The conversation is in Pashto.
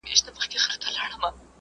يوازې الله ته تسليم شئ.